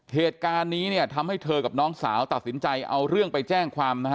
เหตุการณ์นี้เนี่ยทำให้เธอกับน้องสาวตัดสินใจเอาเรื่องไปแจ้งความนะฮะ